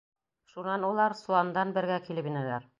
Шунан улар соландан бергә килеп инәләр.